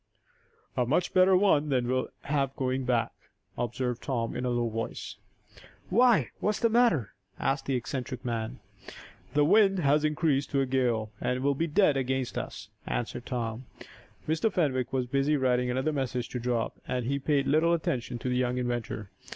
"A much better one than we'll have going back," observed Tom, in a low voice. "Why; what's the matter?" asked the eccentric man. "The wind has increased to a gale, and will be dead against us," answered Tom. Mr. Fenwick was busy writing another message to drop, and he paid little attention to the young inventor.